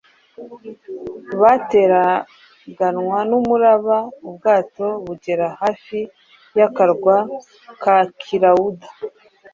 Bateraganwa n’umuraba, ubwato bugera hafi y’akarwa ka Kilawuda